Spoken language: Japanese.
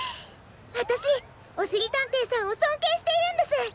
わたしおしりたんていさんをそんけいしているんです。